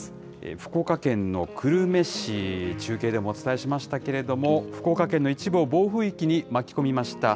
福岡県の久留米市、中継でもお伝えしましたけれども、福岡県の一部を暴風域に巻き込みました